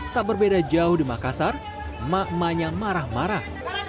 tak berbeda jauh di makassar mak maknya marah marah